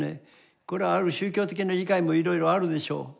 これはある宗教的な理解もいろいろあるでしょう。